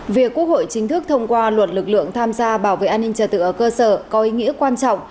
việc quốc hội chính thức thông qua luật lực lượng tham gia bảo vệ an ninh trả tự ở cơ sở có ý nghĩa quan trọng